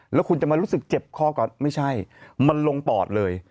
แล้วคุณจะมารู้สึกเจ็บคอก่อนไม่ใช่มันลงปอดเลย